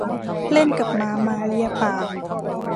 เล่นกับหมา หมาเลียปาก